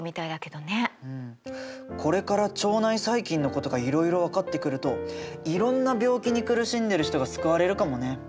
これから腸内細菌のことがいろいろ分かってくるといろんな病気に苦しんでる人が救われるかもね。